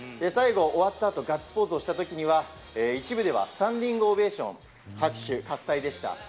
最後、終わった後にガッツポーズをした時には一部ではスタンディングオベーション、拍手喝采でした。